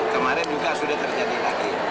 kemarin juga sudah terjadi lagi